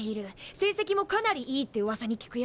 成績もかなりいいってうわさに聞くよ。